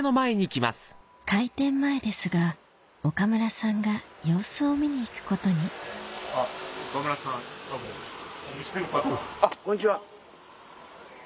開店前ですが岡村さんが様子を見に行くことにあっこんにちは。